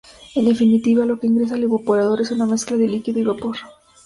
En definitiva, lo que ingresa al evaporador es una mezcla de líquido y vapor.